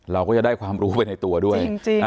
เราก็จะได้ความรู้ไปในตัวด้วย